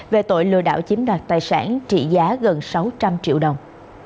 về tội lừa đảo chiếm đoạt tài sản trị giá gần sáu trăm linh triệu đồng